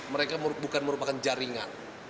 mereka bukan merupakan jaringan